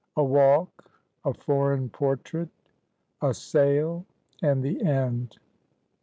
A WALK: A FOREIGN PORTRAIT: A SAIL: AND THE END.